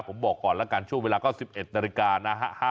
ผมบอกก่อนแล้วกันช่วงเวลาก็๑๑นาฬิกานะฮะ